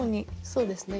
そうですね